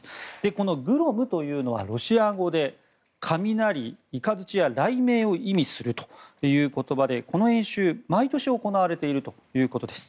このグロムというのはロシア語で雷や雷鳴を意味する言葉でこの演習、毎年行われているというものです。